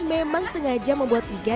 memang sengaja membuat iga